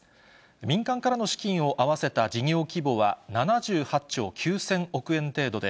民間からの資金を合わせた事業規模は７８兆９０００億円程度で、